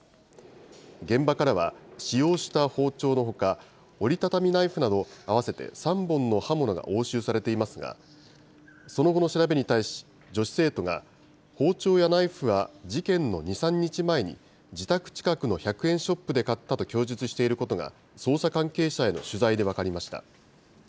現場からは使用した包丁のほか、折り畳みナイフなど、合わせて３本の刃物が押収されていますが、その後の調べに対し、女子生徒が包丁やナイフは事件の２、３日前に、自宅近くの１００円ショップで買ったと供述していることが捜査関係者への取材で分かりました。